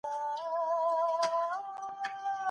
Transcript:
ټولنیز مهارتونه په کار ځای کي مهم دي.